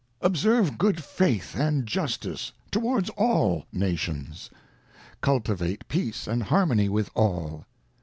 ŌĆö Observe good faith and justice towards all | Nations. Cultivate peace and harmony with | all.